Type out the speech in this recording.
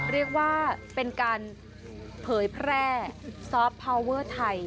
เรียกว่าเป็นการเผยแพร่ซอฟต์พาวเวอร์ไทย